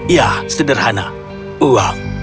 ya sederhana uang